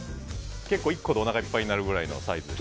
１個でおなかいっぱいになるぐらいのサイズです。